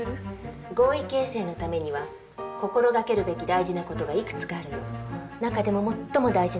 合意形成のためには心掛けるべき大事な事がいくつかあるの。